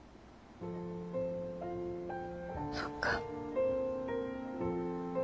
そっか。